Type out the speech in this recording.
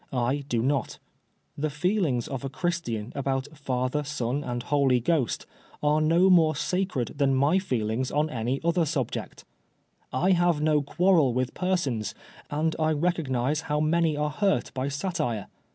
I do not. The feelings of a Christian about Father, Son and Holy Ghost, are no more sacred than my feelings on any other subject I have no quarrel with persons, and I recognise how many are hurt by satire.